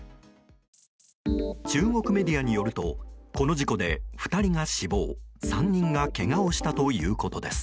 中国メディアによるとこの事故で２人が死亡３人がけがをしたということです。